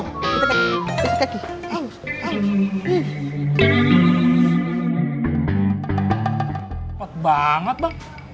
cepet banget bang